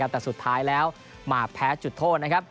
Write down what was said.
แต่สุดท้ายแล้วมาแพ้จุดโทษนะครับ